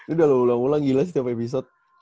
udah lu ulang ulang gila setiap episode